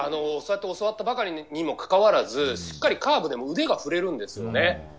教わったばかりにもかかわらずしっかりカーブでも腕が振れるんですよね。